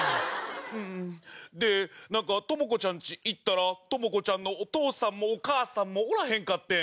でなんかトモコちゃんち行ったらトモコちゃんのお父さんもお母さんもおらへんかってん。